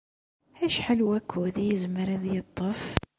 Acḥal n wakud i yezmer ad yeṭṭef?